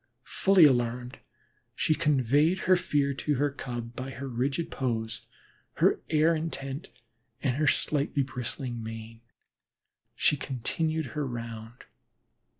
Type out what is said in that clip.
Fully alarmed, she conveyed her fear to the Cub, by her rigid pose, her air intent, and her slightly bristling mane. She continued her round.